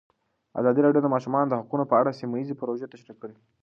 ازادي راډیو د د ماشومانو حقونه په اړه سیمه ییزې پروژې تشریح کړې.